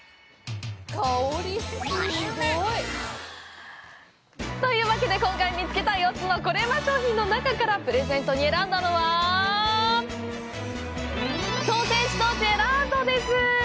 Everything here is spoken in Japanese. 香り、すごい！というわけで、今回見つけた４つのコレうま商品の中からプレゼントに選んだのはソーセージとジェラートです！